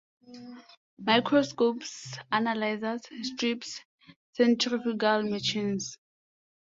Microscopes, analyzers, strips, centrifugal machines...